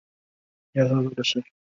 威瓦拥有一个特别的名称。